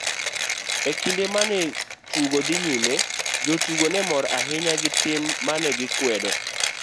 E kinde mane tugo dhi nyime, jotugo ne mor ahinya gi tim mane gikwedo.